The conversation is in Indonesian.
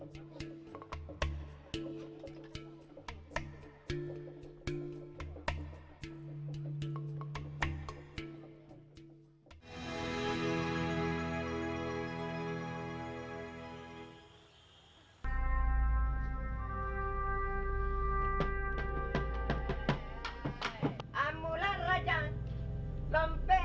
sampai ketemu di video selanjutnya